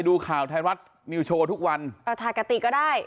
ดูข่าวแทนวัตรนิวโชว์ทุกวันถาดกับติก็ได้